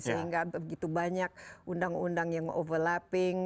sehingga begitu banyak undang undang yang overlapping